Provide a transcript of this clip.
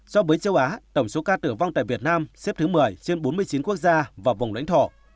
so với châu á tổng số ca tử vong tại việt nam xếp thứ một mươi trên bốn mươi chín quốc gia và vùng lãnh thổ